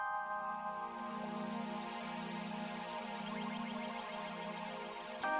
mas tuh makannya